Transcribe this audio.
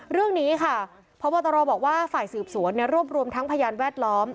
เรื่องนี้ค่ะพบตรบอกว่าฝ่ายสืบสวนรวบรวมทั้งพยานแวดล้อม